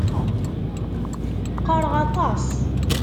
Qqareɣ aṭas.